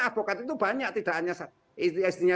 advokat itu banyak tidak hanya istrinya